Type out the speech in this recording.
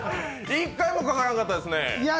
１回もかからなかったですね